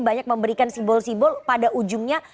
banyak memberikan simbol simbol pada ujungnya